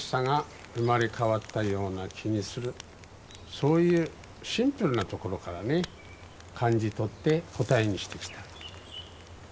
そういうシンプルなところからね感じ取って答えにしてきた。